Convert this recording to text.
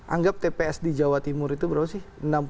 anggap tps di jawa timur itu berapa sih